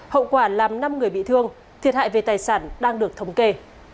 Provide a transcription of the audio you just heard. hậu quả làm năm người bị thương thiệt hại về tài sản đang được thống kê